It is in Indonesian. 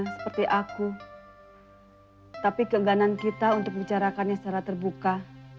seperti aku tapi keganan kita untuk bicarakannya secara terbuka